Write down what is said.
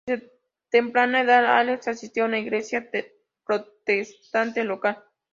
Desde temprana edad Alex asistió a una iglesia protestante local.